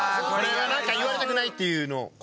これはなんか言われたくないっていうのを。